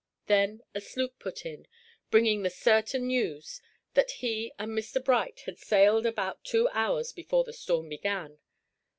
Then a sloop put in, bringing the certain news that he and Mr. Bright had sailed about two hours before the storm began.